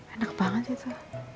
enak banget itu